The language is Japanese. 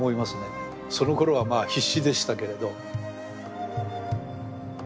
そのころはまあ必死でしたけれど。